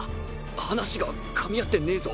話が噛み合ってねえぞ